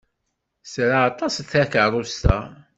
Tra aṭas takeṛṛust-a.